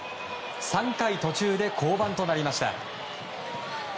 ３回途中で降板となりました。